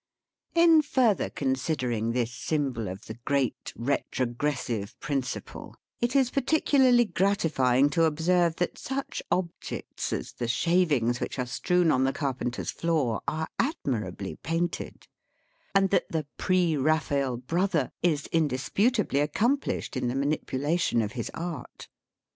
In further considering this symbol of the great retrogressive principle, it is particularly gratifying to observe that such objects as the shavings which are strewn on the carpenter's floor are admirably painted ; and that the Pre Eaphael Brother is indisputably accomplished in the manipulation of his art.